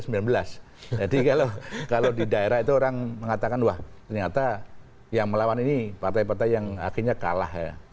jadi kalau di daerah itu orang mengatakan wah ternyata yang melawan ini partai partai yang akhirnya kalah ya